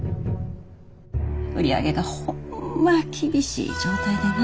売り上げがホンマ厳しい状態でな。